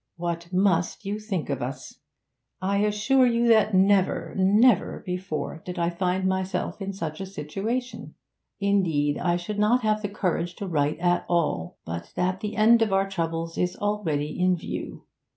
'What must you think of us! I assure you that never, never before did I find myself in such a situation. Indeed, I should not have the courage to write at all, but that the end of our troubles is already in view.